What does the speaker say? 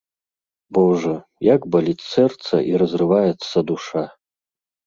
Божа, як баліць сэрца і разрываецца душа!